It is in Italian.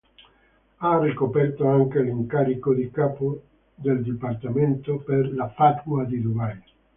Ha ricoperto anche l'incarico di capo del Dipartimento per la fatwa di Dubai.